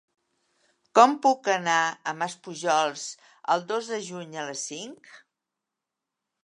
Com puc anar a Maspujols el dos de juny a les cinc?